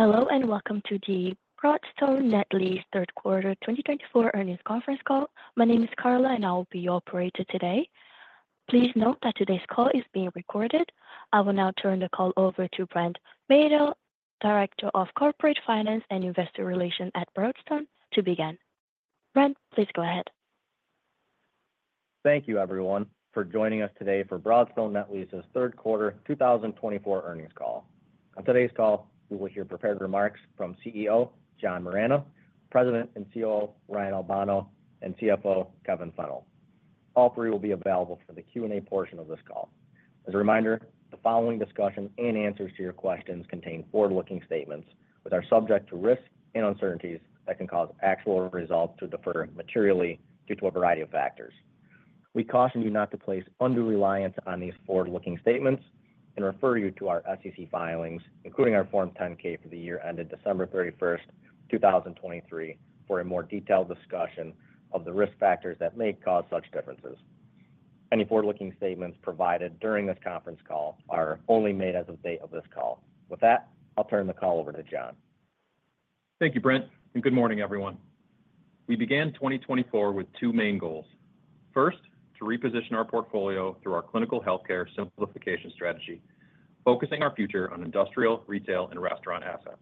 Hello and welcome to the Broadstone Net Lease Third Quarter 2024 Earnings Conference Call. My name is Carla, and I will be your operator today. Please note that today's call is being recorded. I will now turn the call over to Brent Maedl, Director of Corporate Finance and Investor Relations at Broadstone, to begin. Brent, please go ahead. Thank you, everyone, for joining us today for Broadstone Net Lease's Third Quarter 2024 Earnings Call. On today's call, you will hear prepared remarks from CEO John Moragne, President and COO Ryan Albano, and CFO Kevin Fennell. All three will be available for the Q&A portion of this call. As a reminder, the following discussion and answers to your questions contain forward-looking statements which are subject to risks and uncertainties that can cause actual results to differ materially due to a variety of factors. We caution you not to place undue reliance on these forward-looking statements and refer you to our SEC filings, including our Form 10-K for the year ended December 31st, 2023, for a more detailed discussion of the risk factors that may cause such differences. Any forward-looking statements provided during this conference call are only made as of the date of this call. With that, I'll turn the call over to John. Thank you, Brent, and good morning, everyone. We began 2024 with two main goals. First, to reposition our portfolio through our clinical healthcare simplification strategy, focusing our future on industrial, retail, and restaurant assets,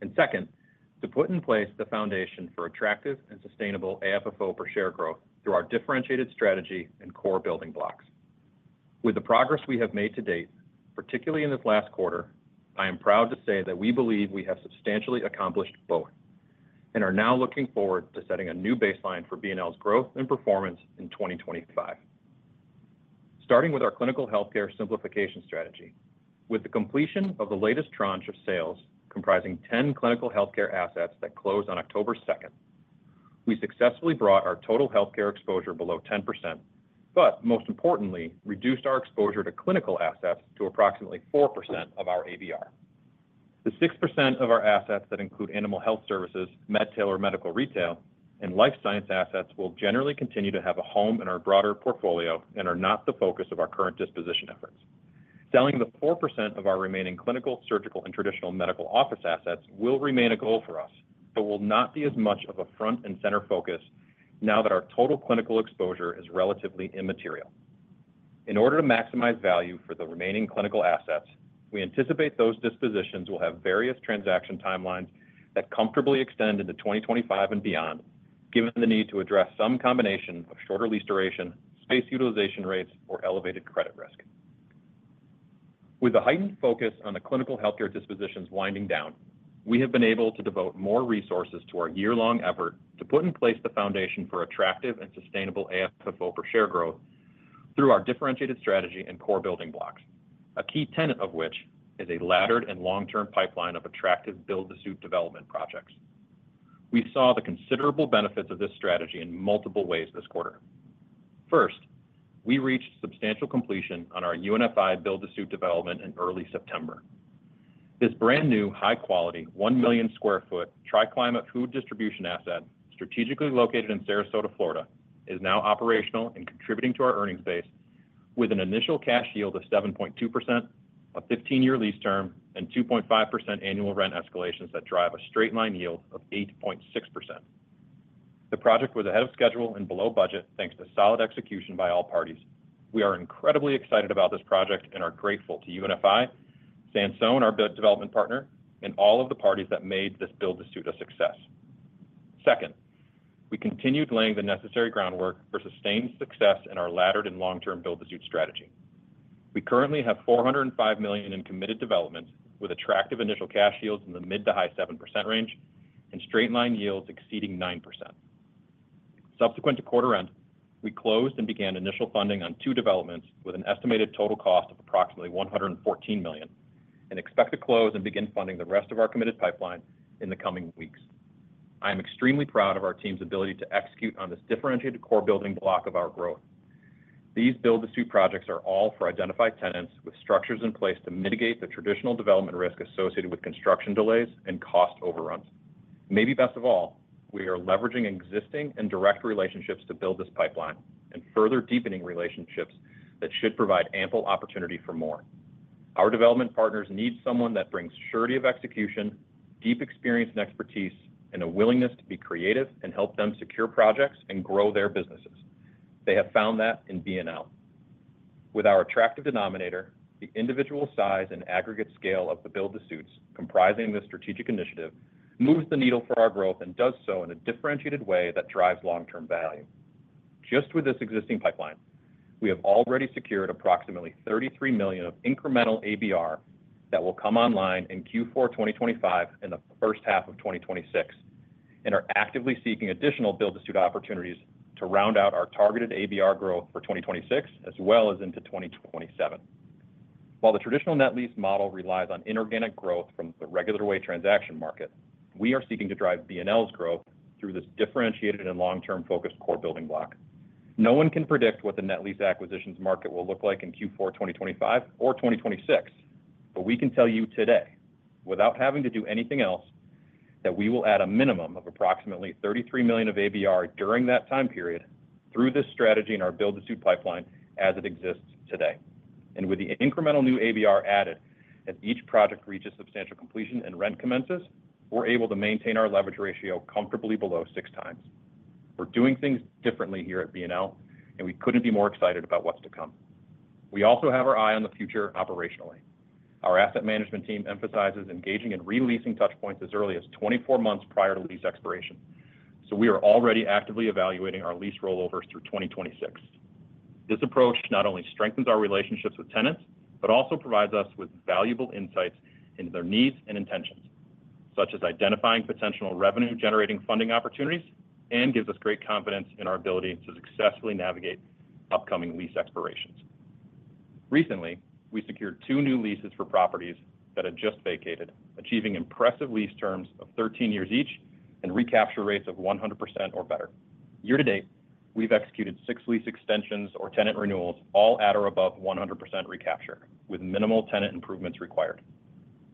and second, to put in place the foundation for attractive and sustainable AFFO per share growth through our differentiated strategy and core building blocks. With the progress we have made to date, particularly in this last quarter, I am proud to say that we believe we have substantially accomplished both and are now looking forward to setting a new baseline for BNL's growth and performance in 2025. Starting with our clinical healthcare simplification strategy, with the completion of the latest tranche of sales comprising 10 clinical healthcare assets that closed on October 2nd, we successfully brought our total healthcare exposure below 10%, but most importantly, reduced our exposure to clinical assets to approximately 4% of our ABR. The 6% of our assets that include animal health services, MedTail medical retail, and life science assets will generally continue to have a home in our broader portfolio and are not the focus of our current disposition efforts. Selling the 4% of our remaining clinical, surgical, and traditional medical office assets will remain a goal for us, but will not be as much of a front-and-center focus now that our total clinical exposure is relatively immaterial. In order to maximize value for the remaining clinical assets, we anticipate those dispositions will have various transaction timelines that comfortably extend into 2025 and beyond, given the need to address some combination of shorter lease duration, space utilization rates, or elevated credit risk. With a heightened focus on the clinical healthcare dispositions winding down, we have been able to devote more resources to our year-long effort to put in place the foundation for attractive and sustainable AFFO per share growth through our differentiated strategy and core building blocks, a key tenet of which is a laddered and long-term pipeline of attractive build-to-suit development projects. We saw the considerable benefits of this strategy in multiple ways this quarter. First, we reached substantial completion on our UNFI build-to-suit development in early September. This brand-new, high-quality, 1 million sq ft tri-climate food distribution asset, strategically located in Sarasota, Florida, is now operational and contributing to our earnings base with an initial cash yield of 7.2%, a 15-year lease term, and 2.5% annual rent escalations that drive a straight-line yield of 8.6%. The project was ahead of schedule and below budget thanks to solid execution by all parties. We are incredibly excited about this project and are grateful to UNFI, Sansone, our development partner, and all of the parties that made this build-to-suit a success. Second, we continued laying the necessary groundwork for sustained success in our laddered and long-term build-to-suit strategy. We currently have $405 million in committed developments with attractive initial cash yields in the mid- to high-7% range and straight-line yields exceeding 9%. Subsequent to quarter end, we closed and began initial funding on two developments with an estimated total cost of approximately $114 million and expect to close and begin funding the rest of our committed pipeline in the coming weeks. I am extremely proud of our team's ability to execute on this differentiated core building block of our growth. These build-to-suit projects are all for identified tenants with structures in place to mitigate the traditional development risk associated with construction delays and cost overruns. Maybe best of all, we are leveraging existing and direct relationships to build this pipeline and further deepening relationships that should provide ample opportunity for more. Our development partners need someone that brings surety of execution, deep experience and expertise, and a willingness to be creative and help them secure projects and grow their businesses. They have found that in BNL. With our attractive denominator, the individual size and aggregate scale of the build-to-suits comprising this strategic initiative moves the needle for our growth and does so in a differentiated way that drives long-term value. Just with this existing pipeline, we have already secured approximately $33 million of incremental ABR that will come online in Q4 2025 and the first half of 2026 and are actively seeking additional build-to-suit opportunities to round out our targeted ABR growth for 2026 as well as into 2027. While the traditional net lease model relies on inorganic growth from the regular way transaction market, we are seeking to drive BNL's growth through this differentiated and long-term focused core building block. No one can predict what the net lease acquisitions market will look like in Q4 2025 or 2026, but we can tell you today, without having to do anything else, that we will add a minimum of approximately $33 million of ABR during that time period through this strategy and our build-to-suit pipeline as it exists today. And with the incremental new ABR added as each project reaches substantial completion and rent commences, we're able to maintain our leverage ratio comfortably below six times. We're doing things differently here at BNL, and we couldn't be more excited about what's to come. We also have our eye on the future operationally. Our asset management team emphasizes engaging in re-leasing touch points as early as 24 months prior to lease expiration, so we are already actively evaluating our lease rollovers through 2026. This approach not only strengthens our relationships with tenants, but also provides us with valuable insights into their needs and intentions, such as identifying potential revenue-generating funding opportunities and gives us great confidence in our ability to successfully navigate upcoming lease expirations. Recently, we secured two new leases for properties that had just vacated, achieving impressive lease terms of 13 years each and recapture rates of 100% or better. Year to date, we've executed six lease extensions or tenant renewals, all at or above 100% recapture, with minimal tenant improvements required.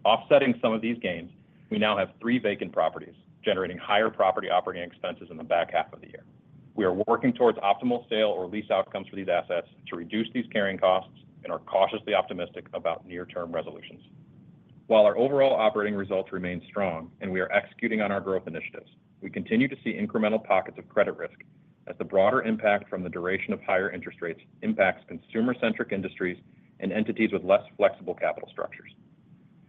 Offsetting some of these gains, we now have three vacant properties generating higher property operating expenses in the back half of the year. We are working towards optimal sale or lease outcomes for these assets to reduce these carrying costs and are cautiously optimistic about near-term resolutions. While our overall operating results remain strong and we are executing on our growth initiatives, we continue to see incremental pockets of credit risk as the broader impact from the duration of higher interest rates impacts consumer-centric industries and entities with less flexible capital structures.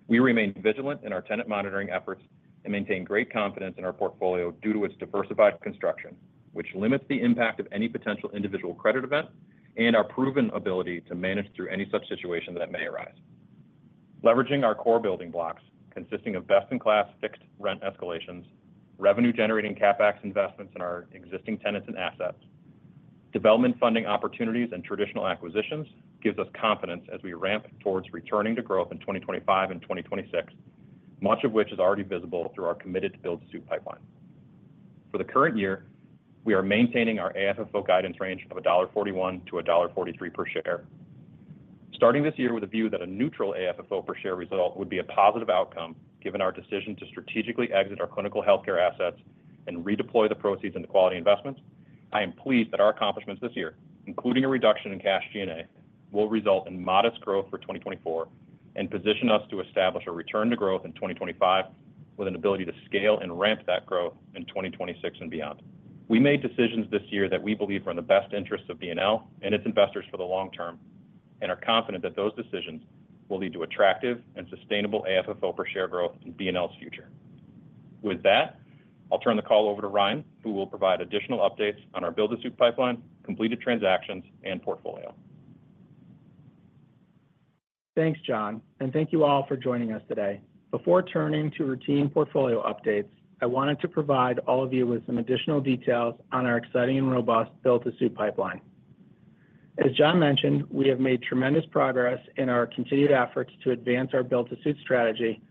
We remain vigilant in our tenant monitoring efforts and maintain great confidence in our portfolio due to its diversified construction, which limits the impact of any potential individual credit event and our proven ability to manage through any such situation that may arise. Leveraging our core building blocks consisting of best-in-class fixed rent escalations, revenue-generating CapEx investments in our existing tenants and assets, development funding opportunities, and traditional acquisitions gives us confidence as we ramp towards returning to growth in 2025 and 2026, much of which is already visible through our committed build-to-suit pipeline. For the current year, we are maintaining our AFFO guidance range of $1.41-$1.43 per share. Starting this year with a view that a neutral AFFO per share result would be a positive outcome given our decision to strategically exit our clinical healthcare assets and redeploy the proceeds into quality investments, I am pleased that our accomplishments this year, including a reduction in cash G&A, will result in modest growth for 2024 and position us to establish a return to growth in 2025 with an ability to scale and ramp that growth in 2026 and beyond. We made decisions this year that we believe are in the best interests of BNL and its investors for the long term and are confident that those decisions will lead to attractive and sustainable AFFO per share growth in BNL's future. With that, I'll turn the call over to Ryan, who will provide additional updates on our build-to-suit pipeline, completed transactions, and portfolio. Thanks, John, and thank you all for joining us today. Before turning to routine portfolio updates, I wanted to provide all of you with some additional details on our exciting and robust build-to-suit pipeline. As John mentioned, we have made tremendous progress in our continued efforts to advance our build-to-suit strategy.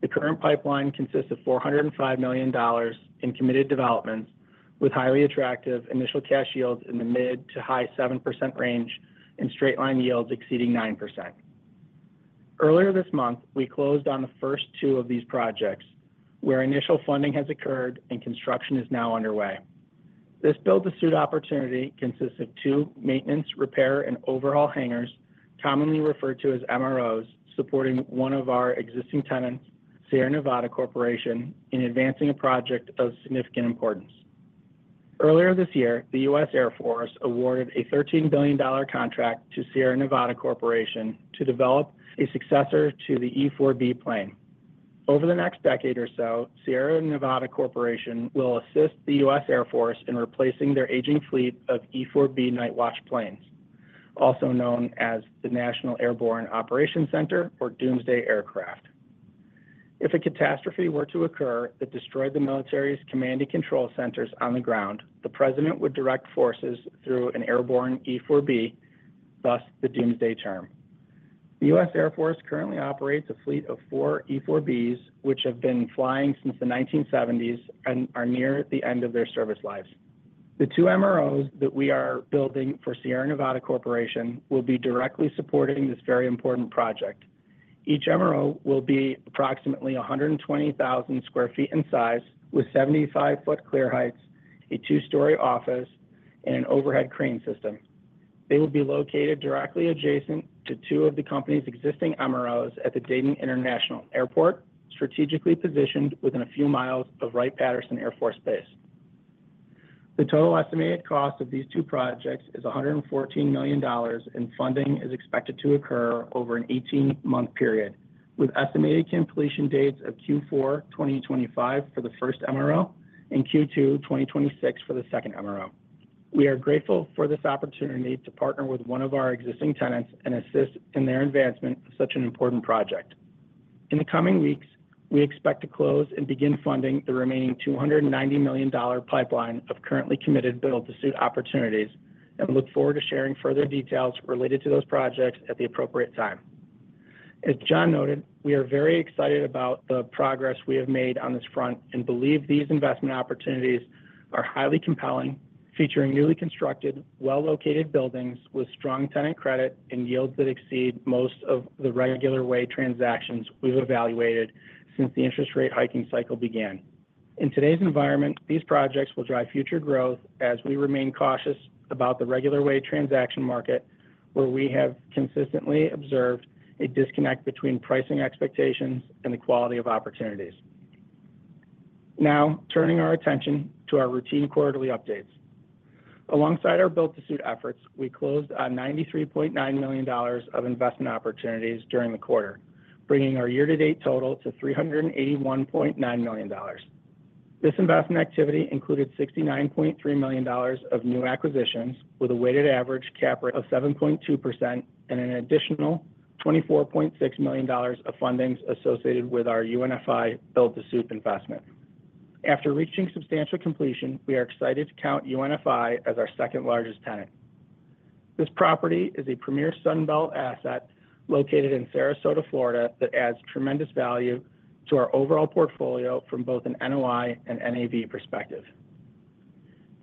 The current pipeline consists of $405 million in committed developments with highly attractive initial cash yields in the mid- to high-7% range and straight-line yields exceeding 9%. Earlier this month, we closed on the first two of these projects, where initial funding has occurred and construction is now underway. This build-to-suit opportunity consists of two maintenance, repair, and overhaul hangars, commonly referred to as MROs, supporting one of our existing tenants, Sierra Nevada Corporation, in advancing a project of significant importance. Earlier this year, the U.S. Air Force awarded a $13 billion contract to Sierra Nevada Corporation to develop a successor to the E-4B plane. Over the next decade or so, Sierra Nevada Corporation will assist the U.S. Air Force in replacing their aging fleet of E-4B Nightwatch planes, also known as the National Airborne Operations Center or Doomsday Aircraft. If a catastrophe were to occur that destroyed the military's command and control centers on the ground, the president would direct forces through an airborne E-4B, thus the Doomsday term. The U.S. Air Force currently operates a fleet of four E-4Bs, which have been flying since the 1970s and are near the end of their service lives. The two MROs that we are building for Sierra Nevada Corporation will be directly supporting this very important project. Each MRO will be approximately 120,000 sq ft in size, with 75-foot clear heights, a two-story office, and an overhead crane system. They will be located directly adjacent to two of the company's existing MROs at the Dayton International Airport, strategically positioned within a few miles of Wright-Patterson Air Force Base. The total estimated cost of these two projects is $114 million, and funding is expected to occur over an 18-month period, with estimated completion dates of Q4 2025 for the first MRO and Q2 2026 for the second MRO. We are grateful for this opportunity to partner with one of our existing tenants and assist in their advancement of such an important project. In the coming weeks, we expect to close and begin funding the remaining $290 million pipeline of currently committed build-to-suit opportunities and look forward to sharing further details related to those projects at the appropriate time. As John noted, we are very excited about the progress we have made on this front and believe these investment opportunities are highly compelling, featuring newly constructed, well-located buildings with strong tenant credit and yields that exceed most of the regular way transactions we've evaluated since the interest rate hiking cycle began. In today's environment, these projects will drive future growth as we remain cautious about the regular way transaction market, where we have consistently observed a disconnect between pricing expectations and the quality of opportunities. Now, turning our attention to our routine quarterly updates. Alongside our build-to-suit efforts, we closed on $93.9 million of investment opportunities during the quarter, bringing our year-to-date total to $381.9 million. This investment activity included $69.3 million of new acquisitions with a weighted average cap rate of 7.2% and an additional $24.6 million of fundings associated with our UNFI build-to-suit investment. After reaching substantial completion, we are excited to count UNFI as our second largest tenant. This property is a premier Sunbelt asset located in Sarasota, Florida, that adds tremendous value to our overall portfolio from both an NOI and NAV perspective.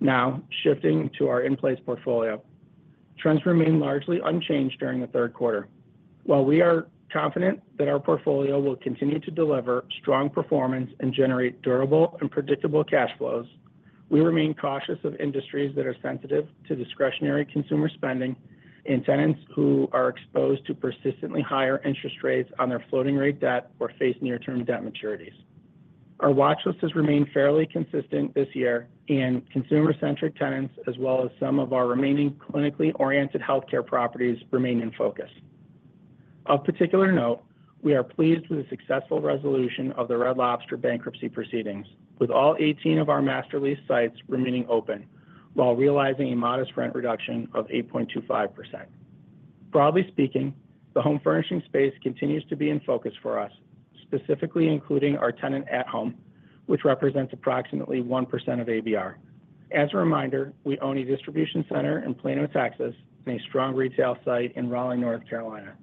Now, shifting to our in-place portfolio, trends remain largely unchanged during the third quarter. While we are confident that our portfolio will continue to deliver strong performance and generate durable and predictable cash flows, we remain cautious of industries that are sensitive to discretionary consumer spending and tenants who are exposed to persistently higher interest rates on their floating-rate debt or face near-term debt maturities. Our watch list has remained fairly consistent this year, and consumer-centric tenants, as well as some of our remaining clinically oriented healthcare properties, remain in focus. Of particular note, we are pleased with the successful resolution of the Red Lobster bankruptcy proceedings, with all 18 of our master lease sites remaining open while realizing a modest rent reduction of 8.25%. Broadly speaking, the home furnishing space continues to be in focus for us, specifically including our tenant At Home, which represents approximately 1% of ABR. As a reminder, we own a distribution center in Plano, Texas, and a strong retail site in Raleigh, North Carolina.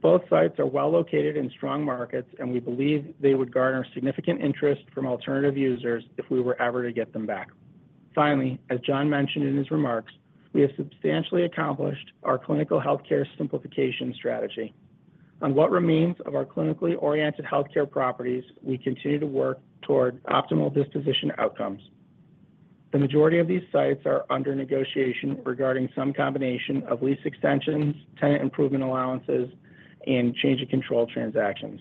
Both sites are well located in strong markets, and we believe they would garner significant interest from alternative users if we were ever to get them back. Finally, as John mentioned in his remarks, we have substantially accomplished our clinical healthcare simplification strategy. On what remains of our clinically oriented healthcare properties, we continue to work toward optimal disposition outcomes. The majority of these sites are under negotiation regarding some combination of lease extensions, tenant improvement allowances, and change of control transactions.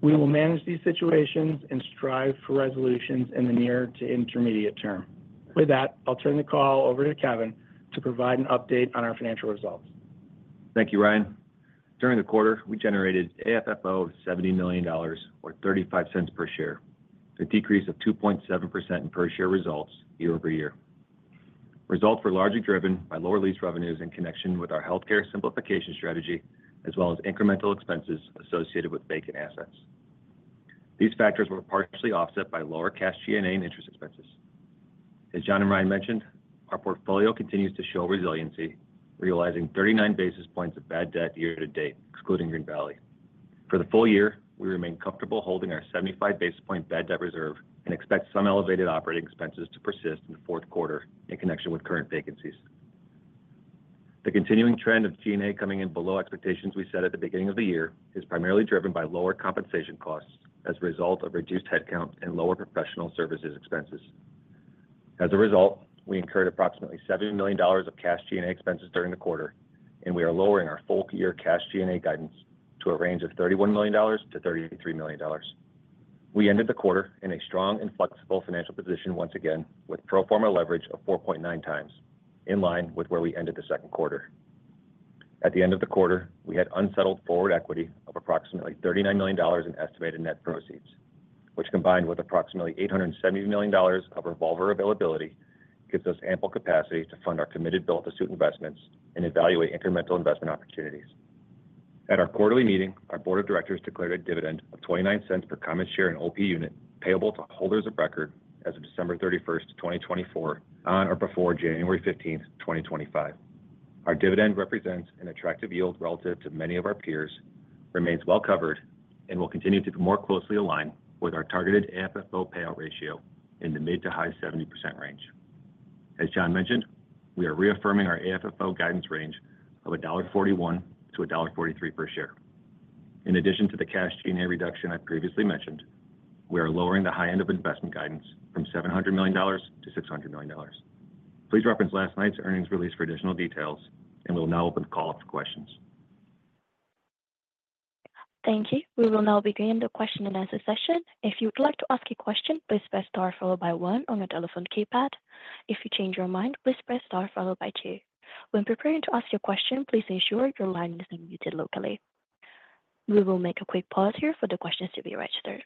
We will manage these situations and strive for resolutions in the near to intermediate term. With that, I'll turn the call over to Kevin to provide an update on our financial results. Thank you, Ryan. During the quarter, we generated AFFO of $70 million or $0.35 per share, a decrease of 2.7% in per-share results year over year. Results were largely driven by lower lease revenues in connection with our healthcare simplification strategy, as well as incremental expenses associated with vacant assets. These factors were partially offset by lower cash G&A and interest expenses. As John and Ryan mentioned, our portfolio continues to show resiliency, realizing 39 basis points of bad debt year to date, excluding Green Valley. For the full year, we remain comfortable holding our 75 basis point bad debt reserve and expect some elevated operating expenses to persist in the fourth quarter in connection with current vacancies. The continuing trend of G&A coming in below expectations we set at the beginning of the year is primarily driven by lower compensation costs as a result of reduced headcount and lower professional services expenses. As a result, we incurred approximately $70 million of cash G&A expenses during the quarter, and we are lowering our full-year cash G&A guidance to a range of $31 million-$33 million. We ended the quarter in a strong and flexible financial position once again, with pro forma leverage of 4.9 times, in line with where we ended the second quarter. At the end of the quarter, we had unsettled forward equity of approximately $39 million in estimated net proceeds, which combined with approximately $870 million of revolver availability gives us ample capacity to fund our committed build-to-suit investments and evaluate incremental investment opportunities. At our quarterly meeting, our board of directors declared a dividend of $0.29 per common share and OP unit payable to holders of record as of December 31, 2024, on or before January 15, 2025. Our dividend represents an attractive yield relative to many of our peers, remains well covered, and will continue to be more closely aligned with our targeted AFFO payout ratio in the mid to high 70% range. As John mentioned, we are reaffirming our AFFO guidance range of $1.41-$1.43 per share. In addition to the cash G&A reduction I previously mentioned, we are lowering the high-end of investment guidance from $700 million to $600 million. Please reference last night's earnings release for additional details, and we will now open the call for questions. Thank you. We will now begin the question-and-answer session. If you would like to ask a question, please press star followed by one on your telephone keypad. If you change your mind, please press star followed by two. When preparing to ask your question, please ensure your line is unmuted locally. We will make a quick pause here for the questions to be registered,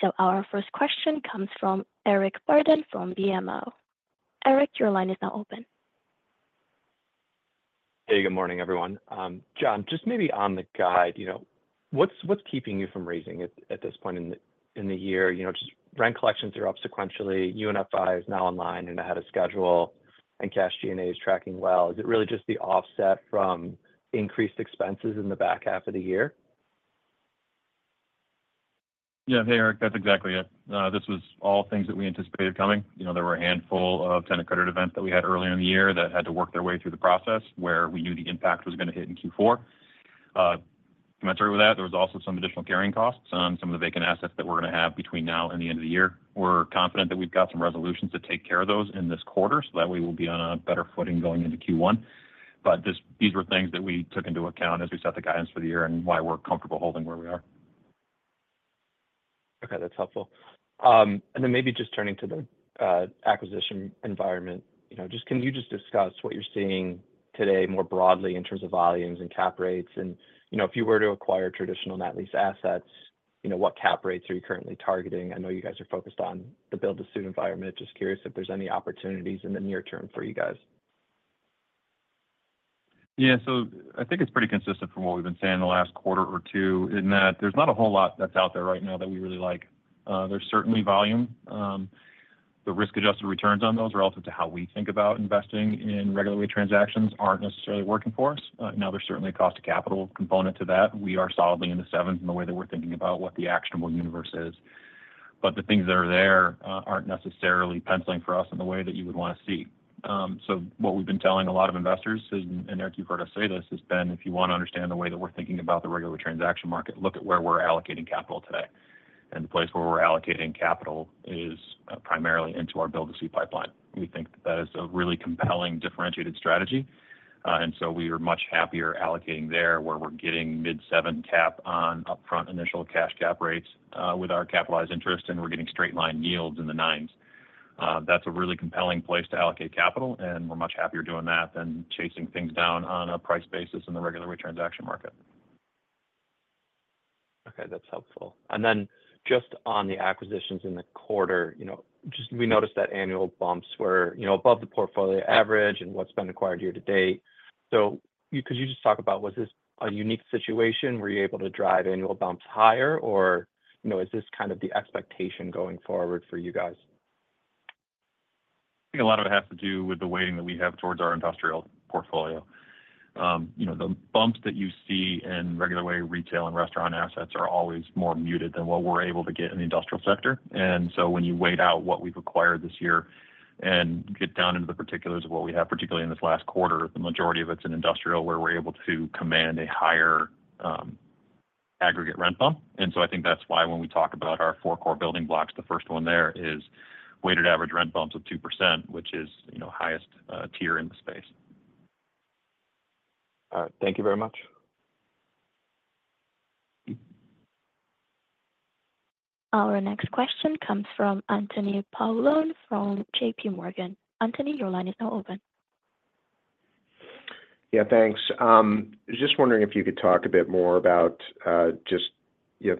so our first question comes from Eric Borden from BMO. Eric, your line is now open. Hey, good morning, everyone. John, just maybe on the guide, what's keeping you from raising at this point in the year? Just rent collections are up sequentially, UNFI is now online and ahead of schedule, and Cash G&A is tracking well. Is it really just the offset from increased expenses in the back half of the year? Yeah, hey, Eric, that's exactly it. This was all things that we anticipated coming. There were a handful of tenant credit events that we had earlier in the year that had to work their way through the process where we knew the impact was going to hit in Q4. To give you more on that, there was also some additional carrying costs. Some of the vacant assets that we're going to have between now and the end of the year, we're confident that we've got some resolutions to take care of those in this quarter so that way we'll be on a better footing going into Q1. But these were things that we took into account as we set the guidance for the year and why we're comfortable holding where we are. Okay, that's helpful. And then maybe just turning to the acquisition environment, can you just discuss what you're seeing today more broadly in terms of volumes and cap rates? And if you were to acquire traditional net lease assets, what cap rates are you currently targeting? I know you guys are focused on the build-to-suit environment. Just curious if there's any opportunities in the near term for you guys. Yeah, so I think it's pretty consistent from what we've been saying the last quarter or two in that there's not a whole lot that's out there right now that we really like. There's certainly volume. The risk-adjusted returns on those relative to how we think about investing in regular way transactions aren't necessarily working for us. Now, there's certainly a cost of capital component to that. We are solidly in the sevens in the way that we're thinking about what the actionable universe is. But the things that are there aren't necessarily penciling for us in the way that you would want to see. So what we've been telling a lot of investors and Eric, you've heard us say this has been, if you want to understand the way that we're thinking about the regular transaction market, look at where we're allocating capital today. And the place where we're allocating capital is primarily into our build-to-suit pipeline. We think that that is a really compelling differentiated strategy. And so we are much happier allocating there where we're getting mid-seven cap on upfront initial cash cap rates with our capitalized interest, and we're getting straight-line yields in the nines. That's a really compelling place to allocate capital, and we're much happier doing that than chasing things down on a price basis in the regular way transaction market. Okay, that's helpful. And then just on the acquisitions in the quarter, we noticed that annual bumps were above the portfolio average and what's been acquired year to date. So could you just talk about, was this a unique situation? Were you able to drive annual bumps higher, or is this kind of the expectation going forward for you guys? I think a lot of it has to do with the weighting that we have towards our industrial portfolio. The bumps that you see in regular way retail and restaurant assets are always more muted than what we're able to get in the industrial sector. And so when you weigh out what we've acquired this year and get down into the particulars of what we have, particularly in this last quarter, the majority of it's in industrial where we're able to command a higher aggregate rent bump. And so I think that's why when we talk about our four core building blocks, the first one there is weighted average rent bumps of 2%, which is highest tier in the space. All right, thank you very much. Our next question comes from Anthony Paolone from J.P. Morgan. Anthony, your line is now open. Yeah, thanks. Just wondering if you could talk a bit more about just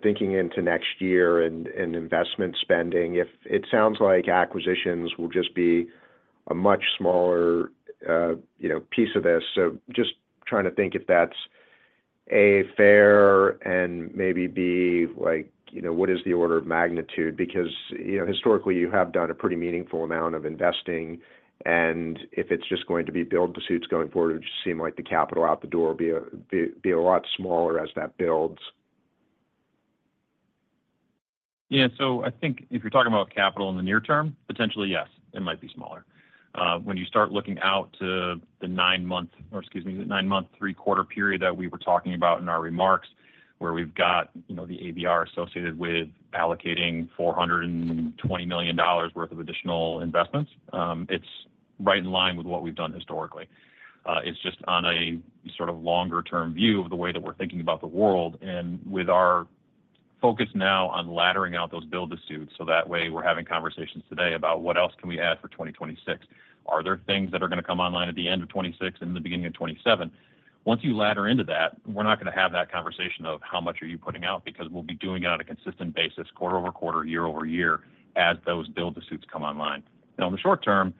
thinking into next year and investment spending. It sounds like acquisitions will just be a much smaller piece of this. So just trying to think if that's A, fair, and maybe B, what is the order of magnitude? Because historically, you have done a pretty meaningful amount of investing and if it's just going to be build-to-suits going forward, it would just seem like the capital out the door will be a lot smaller as that builds. Yeah, so I think if you're talking about capital in the near term, potentially, yes, it might be smaller. When you start looking out to the nine-month, or excuse me, the nine-month, three-quarter period that we were talking about in our remarks, where we've got the ABR associated with allocating $420 million worth of additional investments, it's right in line with what we've done historically. It's just on a sort of longer-term view of the way that we're thinking about the world and with our focus now on laddering out those build-to-suits. So that way, we're having conversations today about what else can we add for 2026. Are there things that are going to come online at the end of 2026 and the beginning of 2027? Once you ladder into that, we're not going to have that conversation of how much are you putting out because we'll be doing it on a consistent basis, quarter over quarter, year over year, as those build-to-suits come online. Now, in the short term,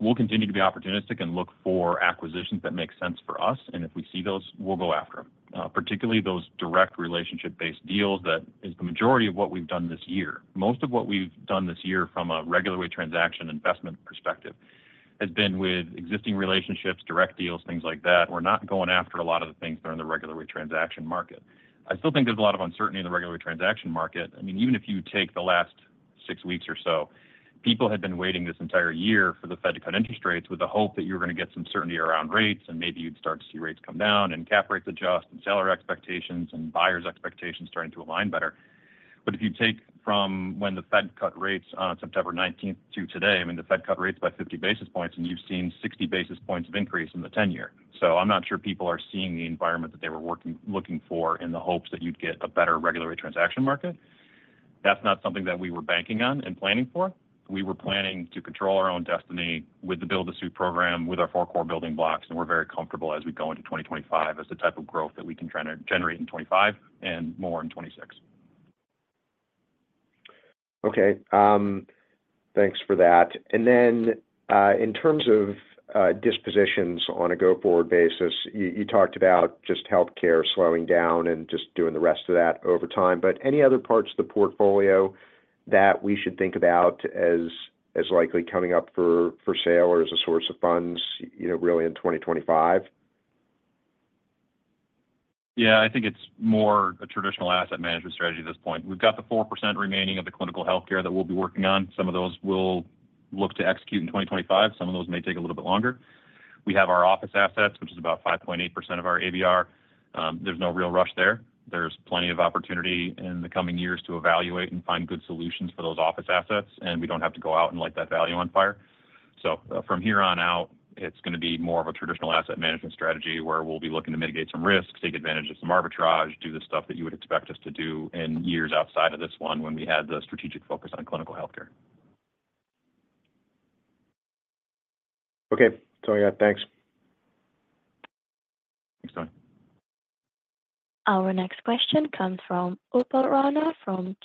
we'll continue to be opportunistic and look for acquisitions that make sense for us. And if we see those, we'll go after them, particularly those direct relationship-based deals that is the majority of what we've done this year. Most of what we've done this year from a regular way transaction investment perspective has been with existing relationships, direct deals, things like that. We're not going after a lot of the things that are in the regular way transaction market. I still think there's a lot of uncertainty in the regular way transaction market. I mean, even if you take the last six weeks or so, people had been waiting this entire year for the Fed to cut interest rates with the hope that you were going to get some certainty around rates, and maybe you'd start to see rates come down and cap rates adjust and seller expectations and buyers' expectations starting to align better, but if you take from when the Fed cut rates on September 19th to today, I mean, the Fed cut rates by 50 basis points, and you've seen 60 basis points of increase in the 10-year, so I'm not sure people are seeing the environment that they were looking for in the hopes that you'd get a better regular way transaction market. That's not something that we were banking on and planning for. We were planning to control our own destiny with the build-to-suit program, with our four core building blocks, and we're very comfortable as we go into 2025 as the type of growth that we can generate in 2025 and more in 2026. Okay, thanks for that. And then in terms of dispositions on a go-forward basis, you talked about just healthcare slowing down and just doing the rest of that over time. But any other parts of the portfolio that we should think about as likely coming up for sale or as a source of funds really in 2025? Yeah, I think it's more a traditional asset management strategy at this point. We've got the 4% remaining of the clinical healthcare that we'll be working on. Some of those we'll look to execute in 2025. Some of those may take a little bit longer. We have our office assets, which is about 5.8% of our ABR. There's no real rush there. There's plenty of opportunity in the coming years to evaluate and find good solutions for those office assets, and we don't have to go out and light that value on fire. So from here on out, it's going to be more of a traditional asset management strategy where we'll be looking to mitigate some risks, take advantage of some arbitrage, do the stuff that you would expect us to do in years outside of this one when we had the strategic focus on clinical healthcare. Okay, Tony, thanks. Thanks, Anthony. Our next question comes from Upal Rana from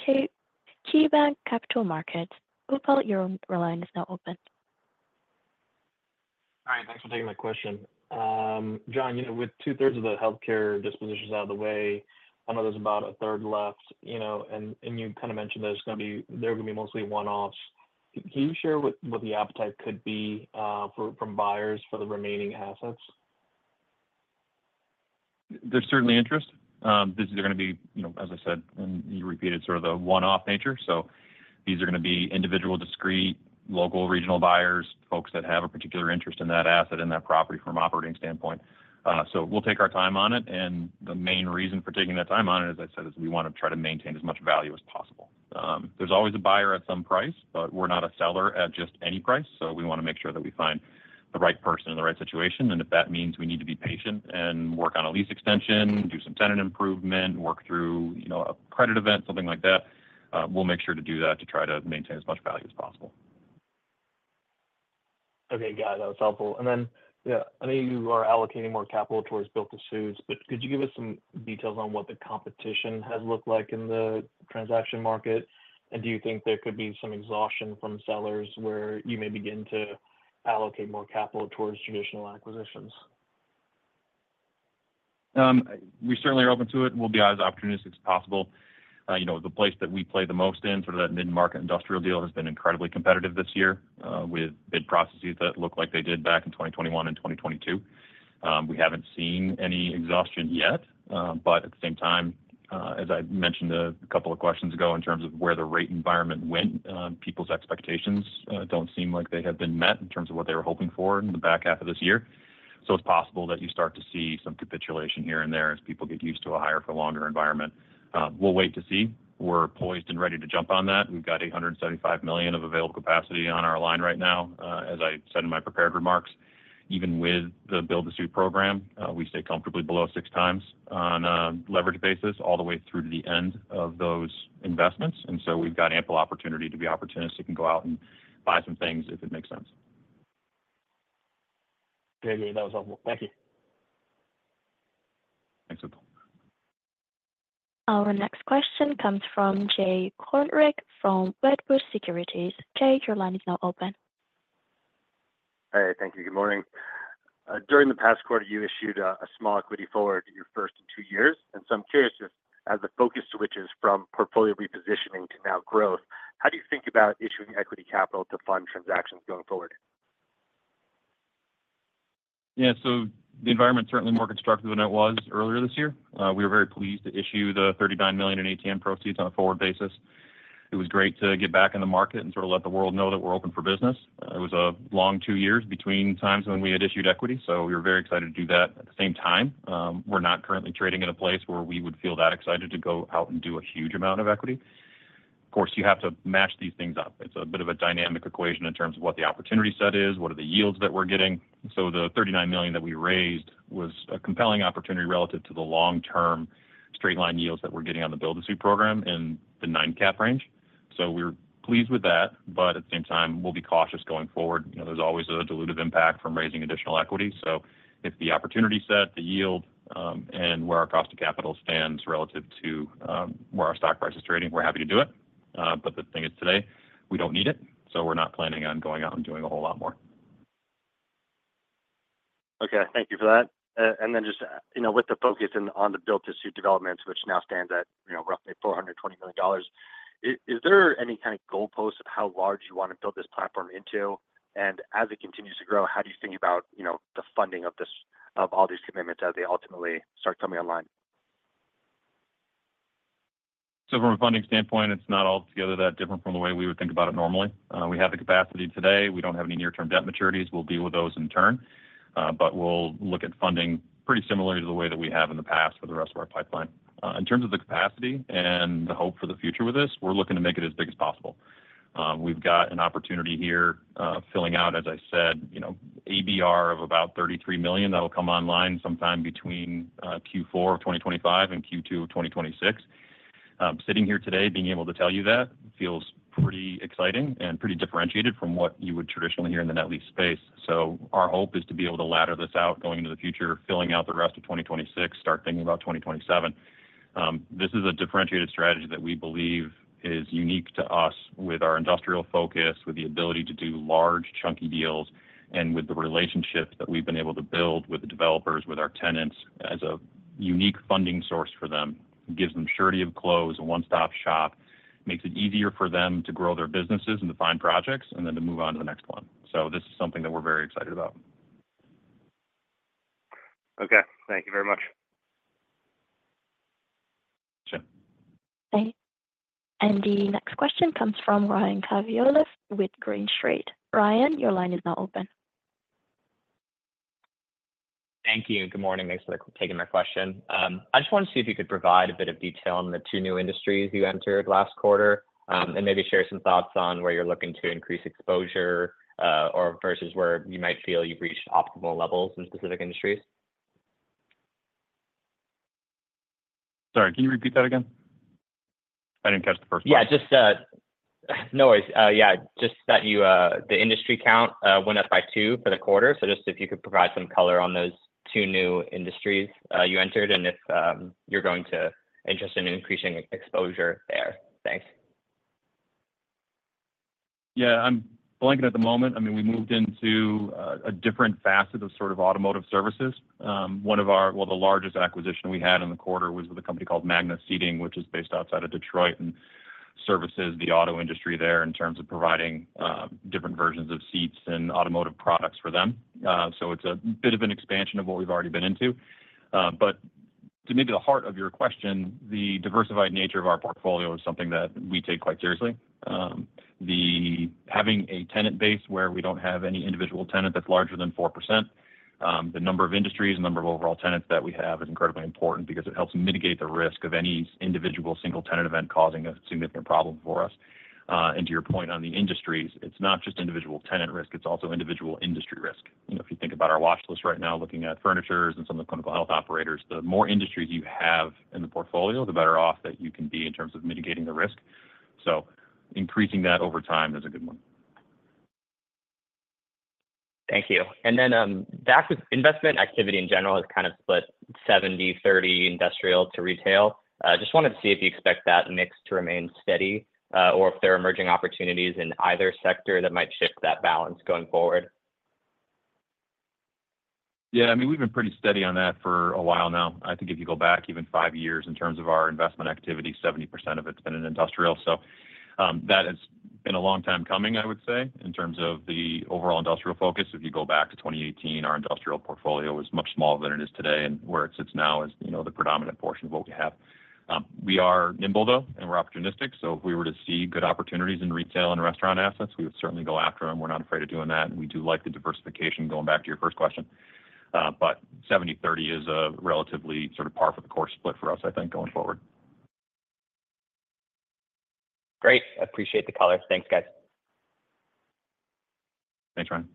KeyBanc Capital Markets. Upal, your line is now open. Hi, thanks for taking the question. John, with two-thirds of the healthcare dispositions out of the way, I know there's about a third left, and you kind of mentioned there's going to be mostly one-offs. Can you share what the appetite could be from buyers for the remaining assets? There's certainly interest. These are going to be, as I said, and you repeated sort of the one-off nature. So these are going to be individual, discrete, local, regional buyers, folks that have a particular interest in that asset, in that property from an operating standpoint. So we'll take our time on it. And the main reason for taking that time on it, as I said, is we want to try to maintain as much value as possible. There's always a buyer at some price, but we're not a seller at just any price. So we want to make sure that we find the right person in the right situation. If that means we need to be patient and work on a lease extension, do some tenant improvement, work through a credit event, something like that, we'll make sure to do that to try to maintain as much value as possible. Okay, got it. That was helpful. And then, yeah, I know you are allocating more capital towards build-to-suits, but could you give us some details on what the competition has looked like in the transaction market? And do you think there could be some exhaustion from sellers where you may begin to allocate more capital towards traditional acquisitions? We certainly are open to it. We'll be as opportunistic as possible. The place that we play the most in, sort of that mid-market industrial deal, has been incredibly competitive this year with bid processes that look like they did back in 2021 and 2022. We haven't seen any exhaustion yet, but at the same time, as I mentioned a couple of questions ago in terms of where the rate environment went, people's expectations don't seem like they have been met in terms of what they were hoping for in the back half of this year, so it's possible that you start to see some capitulation here and there as people get used to a higher-for-longer environment. We'll wait to see. We're poised and ready to jump on that. We've got $875 million of available capacity on our line right now. As I said in my prepared remarks, even with the build-to-suit program, we stay comfortably below six times on a leverage basis all the way through to the end of those investments. And so we've got ample opportunity to be opportunistic and go out and buy some things if it makes sense. Okay, good. That was helpful. Thank you. Thanks, Upal. Our next question comes from Jay Kornreich from Wedbush Securities. Jay, your line is now open. Hey, thank you. Good morning. During the past quarter, you issued a small equity forward, your first in two years. And so I'm curious just as the focus switches from portfolio repositioning to now growth, how do you think about issuing equity capital to fund transactions going forward? Yeah, so the environment's certainly more constructive than it was earlier this year. We were very pleased to issue the $39 million in ATM proceeds on a forward basis. It was great to get back in the market and sort of let the world know that we're open for business. It was a long two years between times when we had issued equity. So we were very excited to do that at the same time. We're not currently trading in a place where we would feel that excited to go out and do a huge amount of equity. Of course, you have to match these things up. It's a bit of a dynamic equation in terms of what the opportunity set is, what are the yields that we're getting. The $39 million that we raised was a compelling opportunity relative to the long-term straight-line yields that we're getting on the build-to-suit program in the nine-cap range. So we're pleased with that. But at the same time, we'll be cautious going forward. There's always a dilutive impact from raising additional equity. So if the opportunity set, the yield, and where our cost of capital stands relative to where our stock price is trading, we're happy to do it. But the thing is today, we don't need it. So we're not planning on going out and doing a whole lot more. Okay, thank you for that. And then just with the focus on the build-to-suit developments, which now stands at roughly $420 million, is there any kind of goalpost of how large you want to build this platform into? And as it continues to grow, how do you think about the funding of all these commitments as they ultimately start coming online? From a funding standpoint, it's not altogether that different from the way we would think about it normally. We have the capacity today. We don't have any near-term debt maturities. We'll deal with those in turn. But we'll look at funding pretty similarly to the way that we have in the past for the rest of our pipeline. In terms of the capacity and the hope for the future with this, we're looking to make it as big as possible. We've got an opportunity here filling out, as I said, ABR of about $33 million that will come online sometime between Q4 of 2025 and Q2 of 2026. Sitting here today, being able to tell you that feels pretty exciting and pretty differentiated from what you would traditionally hear in the net lease space. Our hope is to be able to ladder this out going into the future, filling out the rest of 2026, start thinking about 2027. This is a differentiated strategy that we believe is unique to us with our industrial focus, with the ability to do large, chunky deals, and with the relationship that we've been able to build with the developers, with our tenants as a unique funding source for them, gives them surety of close, a one-stop shop, makes it easier for them to grow their businesses and to find projects and then to move on to the next one. This is something that we're very excited about. Okay, thank you very much. Sure. Okay. And the next question comes from Ryan Cagney with Green Street. Ryan, your line is now open. Thank you. Good morning. Thanks for taking my question. I just wanted to see if you could provide a bit of detail on the two new industries you entered last quarter and maybe share some thoughts on where you're looking to increase exposure versus where you might feel you've reached optimal levels in specific industries. Sorry, can you repeat that again? I didn't catch the first part. Yeah, just no worries. Yeah, just that the industry count went up by two for the quarter. So just if you could provide some color on those two new industries you entered and if you're going to interest in increasing exposure there. Thanks. Yeah, I'm blanking at the moment. I mean, we moved into a different facet of sort of automotive services. One of our, well, the largest acquisition we had in the quarter was with a company called Magna Seating, which is based outside of Detroit and services the auto industry there in terms of providing different versions of seats and automotive products for them. So it's a bit of an expansion of what we've already been into. But to maybe the heart of your question, the diversified nature of our portfolio is something that we take quite seriously. Having a tenant base where we don't have any individual tenant that's larger than 4%, the number of industries, the number of overall tenants that we have is incredibly important because it helps mitigate the risk of any individual single tenant event causing a significant problem for us. And to your point on the industries, it's not just individual tenant risk. It's also individual industry risk. If you think about our watch list right now, looking at furniture and some of the clinical health operators, the more industries you have in the portfolio, the better off that you can be in terms of mitigating the risk. So increasing that over time is a good one. Thank you. And then, back with investment activity in general, has kind of split 70%/30% industrial to retail. Just wanted to see if you expect that mix to remain steady or if there are emerging opportunities in either sector that might shift that balance going forward. Yeah, I mean, we've been pretty steady on that for a while now. I think if you go back even five years in terms of our investment activity, 70% of it's been in industrial. So that has been a long time coming, I would say, in terms of the overall industrial focus. If you go back to 2018, our industrial portfolio was much smaller than it is today, and where it sits now is the predominant portion of what we have. We are nimble, though, and we're opportunistic. So if we were to see good opportunities in retail and restaurant assets, we would certainly go after them. We're not afraid of doing that. And we do like the diversification going back to your first question. But 70/30 is a relatively sort of par for the course split for us, I think, going forward. Great. I appreciate the color. Thanks, guys. Thanks, Ryan.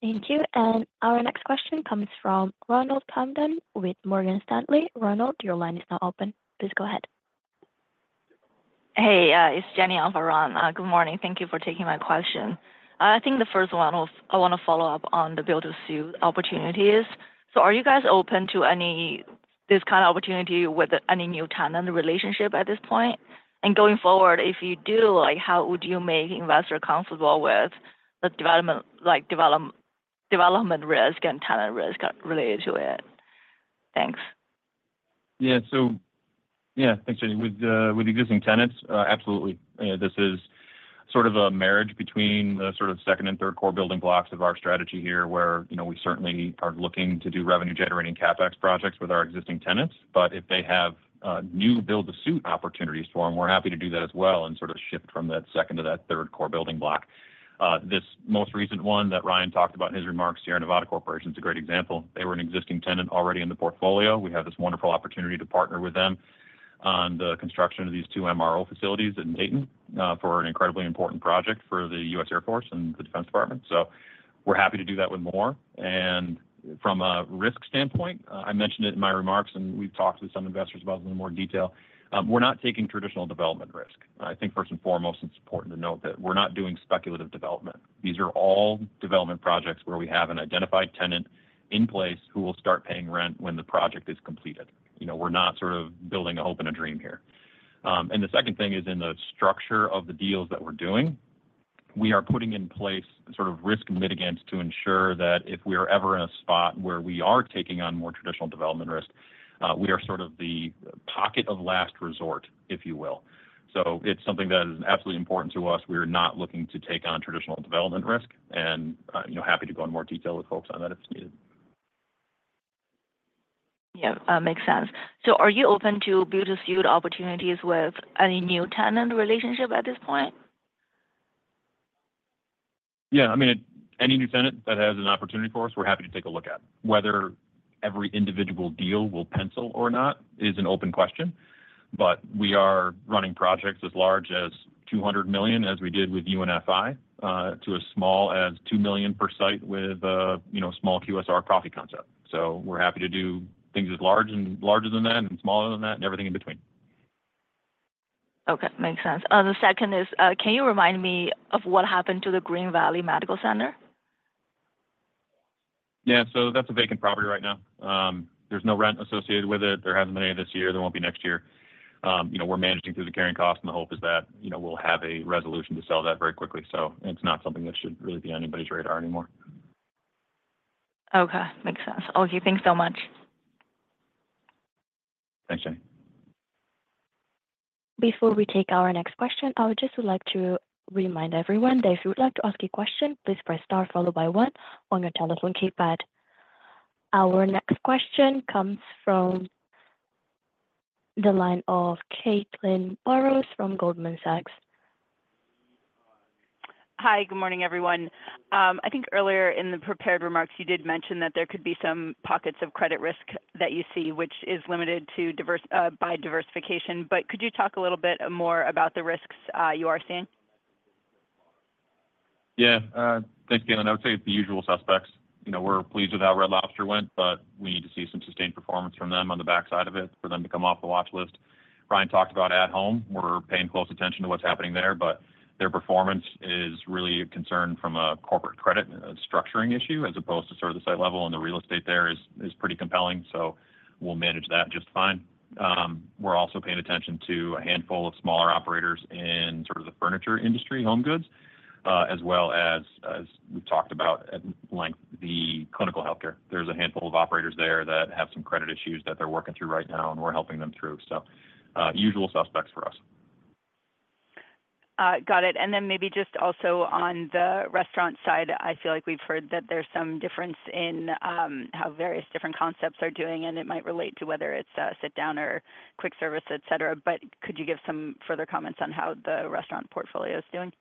Thank you. And our next question comes from Ronald Kamdem with Morgan Stanley. Ronald, your line is now open. Please go ahead. Hey, it's Jenny Alvaran. Good morning. Thank you for taking my question. I think the first one, I want to follow up on the build-to-suit opportunities, so are you guys open to any of this kind of opportunity with any new tenant relationship at this point? And going forward, if you do, how would you make investors comfortable with the development risk and tenant risk related to it? Thanks. Yeah, so yeah, thanks, Jenny. With existing tenants, absolutely. This is sort of a marriage between the sort of second and third core building blocks of our strategy here where we certainly are looking to do revenue-generating CapEx projects with our existing tenants. But if they have new build-to-suit opportunities for them, we're happy to do that as well and sort of shift from that second to that third core building block. This most recent one that Ryan talked about in his remarks here, Sierra Nevada Corporation, is a great example. They were an existing tenant already in the portfolio. We have this wonderful opportunity to partner with them on the construction of these two MRO facilities in Dayton for an incredibly important project for the U.S. Air Force and the Defense Department. So we're happy to do that with more. From a risk standpoint, I mentioned it in my remarks, and we've talked with some investors about it in more detail. We're not taking traditional development risk. I think first and foremost, it's important to note that we're not doing speculative development. These are all development projects where we have an identified tenant in place who will start paying rent when the project is completed. We're not sort of building a hope and a dream here. The second thing is in the structure of the deals that we're doing, we are putting in place sort of risk mitigants to ensure that if we are ever in a spot where we are taking on more traditional development risk, we are sort of the pocket of last resort, if you will. It's something that is absolutely important to us. We are not looking to take on traditional development risk and happy to go into more detail with folks on that if it's needed. Yeah, makes sense. So are you open to build-to-suit opportunities with any new tenant relationship at this point? Yeah. I mean, any new tenant that has an opportunity for us, we're happy to take a look at. Whether every individual deal will pencil or not is an open question. But we are running projects as large as $200 million as we did with UNFI to as small as $2 million per site with a small QSR coffee concept. So we're happy to do things as large and larger than that and smaller than that and everything in between. Okay, makes sense. The second is, can you remind me of what happened to the Green Valley Medical Center? Yeah. So that's a vacant property right now. There's no rent associated with it. There hasn't been any this year. There won't be next year. We're managing through the carrying cost, and the hope is that we'll have a resolution to sell that very quickly. So it's not something that should really be on anybody's radar anymore. Okay, makes sense. Okay, thanks so much. Thanks, Jenny. Before we take our next question, I would just like to remind everyone that if you would like to ask a question, please press star followed by one on your telephone keypad. Our next question comes from the line of Caitlin Burrows from Goldman Sachs. Hi, good morning, everyone. I think earlier in the prepared remarks, you did mention that there could be some pockets of credit risk that you see, which is limited by diversification. But could you talk a little bit more about the risks you are seeing? Yeah. Thanks, Caitlin. I would say it's the usual suspects. We're pleased with how Red Lobster went, but we need to see some sustained performance from them on the backside of it for them to come off the watch list. Ryan talked about At Home. We're paying close attention to what's happening there, but their performance is really a concern from a corporate credit structuring issue as opposed to sort of the site level, and the real estate there is pretty compelling. So we'll manage that just fine. We're also paying attention to a handful of smaller operators in sort of the furniture industry, home goods, as well as, as we've talked about at length, the clinical healthcare. There's a handful of operators there that have some credit issues that they're working through right now, and we're helping them through. So usual suspects for us. Got it. And then maybe just also on the restaurant side, I feel like we've heard that there's some difference in how various different concepts are doing, and it might relate to whether it's sit-down or quick service, etc. But could you give some further comments on how the restaurant portfolio is doing?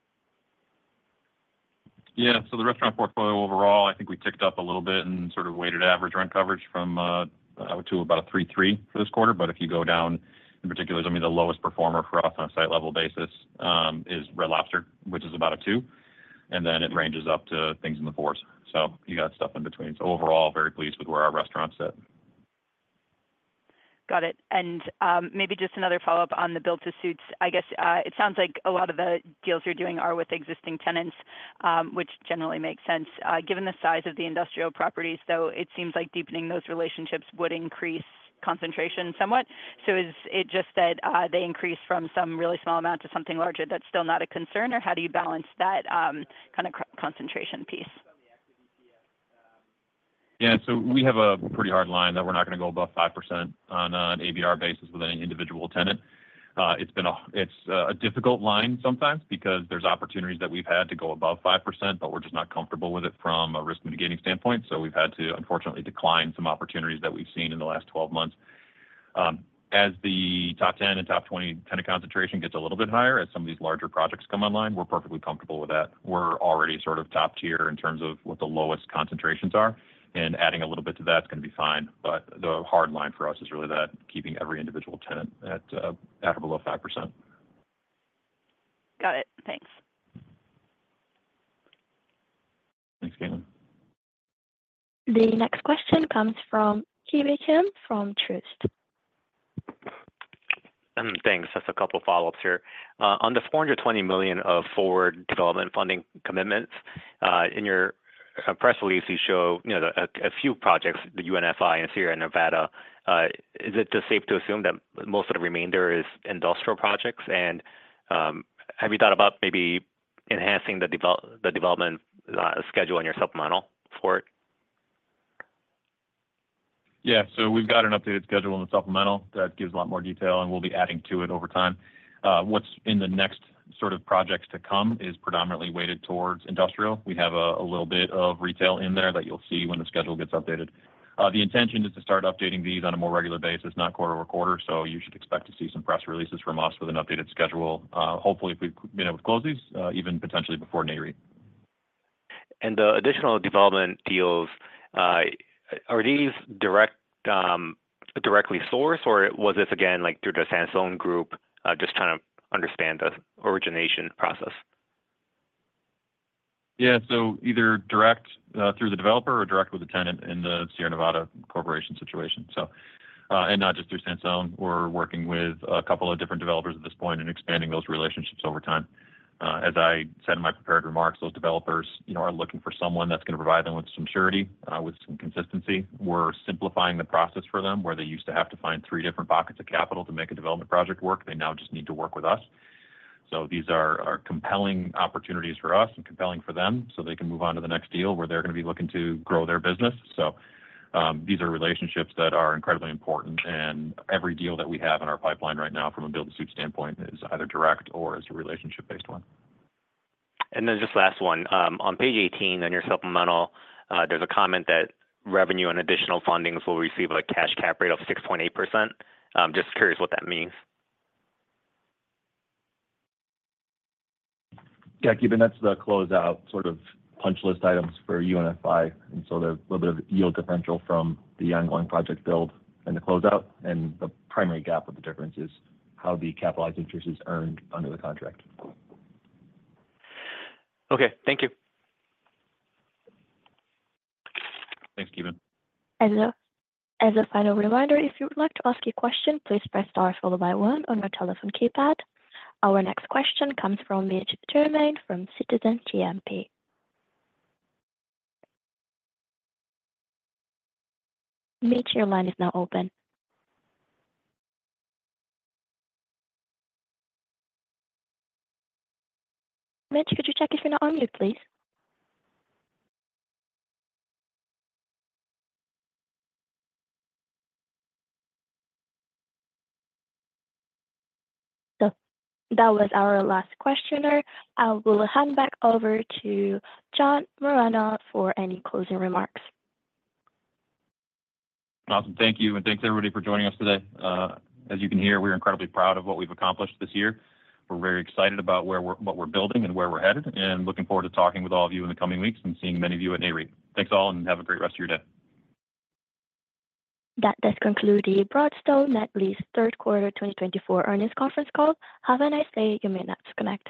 Yeah. So the restaurant portfolio overall, I think we ticked up a little bit and sort of weighted average rent coverage from a two to about a three-three for this quarter. But if you go down in particular, I mean, the lowest performer for us on a site-level basis is Red Lobster, which is about a two. And then it ranges up to things in the fours. So you got stuff in between. So overall, very pleased with where our restaurant's at. Got it. And maybe just another follow-up on the build-to-suits. I guess it sounds like a lot of the deals you're doing are with existing tenants, which generally makes sense. Given the size of the industrial properties, though, it seems like deepening those relationships would increase concentration somewhat. So is it just that they increase from some really small amount to something larger that's still not a concern, or how do you balance that kind of concentration piece? Yeah. So we have a pretty hard line that we're not going to go above 5% on an ABR basis with any individual tenant. It's a difficult line sometimes because there's opportunities that we've had to go above 5%, but we're just not comfortable with it from a risk mitigating standpoint. So we've had to, unfortunately, decline some opportunities that we've seen in the last 12 months. As the top 10 and top 20 tenant concentration gets a little bit higher, as some of these larger projects come online, we're perfectly comfortable with that. We're already sort of top tier in terms of what the lowest concentrations are. And adding a little bit to that is going to be fine. But the hard line for us is really that keeping every individual tenant at or below 5%. Got it. Thanks. Thanks, Caitlin. The next question comes from Ki Bin Kim from Truist. Thanks. Just a couple of follow-ups here. On the $420 million of forward development funding commitments, in your press release, you show a few projects, the UNFI in Sarasota. Is it safe to assume that most of the remainder is industrial projects? And have you thought about maybe enhancing the development schedule in your supplemental for it? Yeah. So we've got an updated schedule in the supplemental that gives a lot more detail, and we'll be adding to it over time. What's in the next sort of projects to come is predominantly weighted towards industrial. We have a little bit of retail in there that you'll see when the schedule gets updated. The intention is to start updating these on a more regular basis, not quarter over quarter. So you should expect to see some press releases from us with an updated schedule, hopefully if we've been able to close these, even potentially before Nareit. The additional development deals, are these directly sourced, or was this again through the Sansone Group, just trying to understand the origination process? Yeah. So either direct through the developer or direct with the tenant in the Sierra Nevada Corporation situation, and not just through Sansone. We're working with a couple of different developers at this point and expanding those relationships over time. As I said in my prepared remarks, those developers are looking for someone that's going to provide them with some surety, with some consistency. We're simplifying the process for them where they used to have to find three different pockets of capital to make a development project work. They now just need to work with us, so these are compelling opportunities for us and compelling for them so they can move on to the next deal where they're going to be looking to grow their business, so these are relationships that are incredibly important. Every deal that we have in our pipeline right now from a build-to-suit standpoint is either direct or is a relationship-based one. And then, just last one. On page 18, on your supplemental, there's a comment that revenue and additional fundings will receive a cash cap rate of 6.8%. Just curious what that means. Ki Bin Kim, that's the closeout sort of punch list items for UNFI and sort of a little bit of yield differential from the ongoing project build and the closeout. And the primary gap of the difference is how the capitalized interest is earned under the contract. Okay. Thank you. Thanks, Ki Bin. And as a final reminder, if you would like to ask a question, please press star followed by one on your telephone keypad. Our next question comes from Mitch Germain from Citizens JMP. Mitch, your line is now open. Mitch, could you check if you're not on mute, please? So that was our last questioner. I will hand back over to John Moragne for any closing remarks. Awesome. Thank you and thanks, everybody, for joining us today. As you can hear, we're incredibly proud of what we've accomplished this year. We're very excited about what we're building and where we're headed and looking forward to talking with all of you in the coming weeks and seeing many of you at Nareit. Thanks all, and have a great rest of your day. That does conclude the Broadstone Net Lease Third Quarter 2024 Earnings Conference Call. Have a nice day. You may now disconnect.